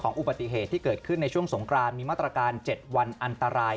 อุบัติเหตุที่เกิดขึ้นในช่วงสงครานมีมาตรการ๗วันอันตราย